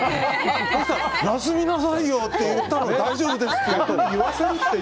休みなさいよ！って言ったら大丈夫ですよって。